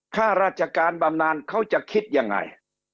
ข้าราชการบำนานเขาจะคิดยังไง